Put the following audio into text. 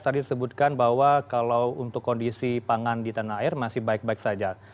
tadi disebutkan bahwa kalau untuk kondisi pangan di tanah air masih baik baik saja